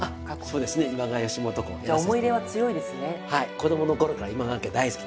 子供の頃から今川家大好き。